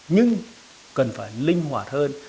nhưng cần phải linh hồn